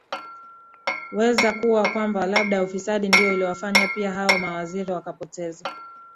weza kuwa kwamba labda ufisadi ndio iliowafanya pia hao mawaziri wakapoteza